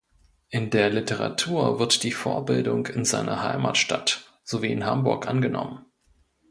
In der Literatur wird die Vorbildung in seiner Heimatstadt sowie in Hamburg angenommen.